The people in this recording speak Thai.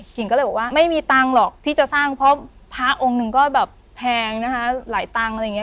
กิ่งก็เลยบอกว่าไม่มีตังค์หรอกที่จะสร้างเพราะพระองค์หนึ่งก็แบบแพงนะคะหลายตังค์อะไรอย่างนี้